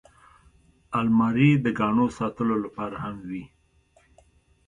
الماري د ګاڼو ساتلو لپاره هم وي